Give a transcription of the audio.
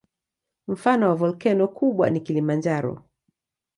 Mfano wa volkeno kubwa ni Kilimanjaro.